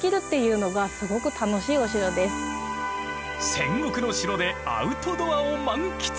戦国の城でアウトドアを満喫。